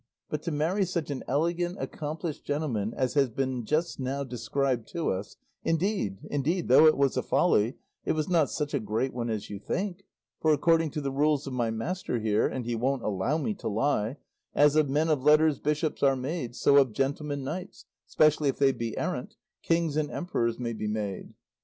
But to marry such an elegant accomplished gentleman as has been just now described to us indeed, indeed, though it was a folly, it was not such a great one as you think; for according to the rules of my master here and he won't allow me to lie as of men of letters bishops are made, so of gentlemen knights, specially if they be errant, kings and emperors may be made."